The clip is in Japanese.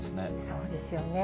そうですよね。